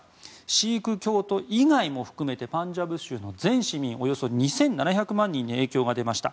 シーク教徒以外も含めてパンジャブ州の全市民およそ２７００万人に影響が出ました。